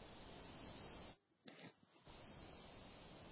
详情可参考职业训练局网站。